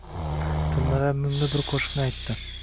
Turnalar mungli bir qo’shiqni aytdi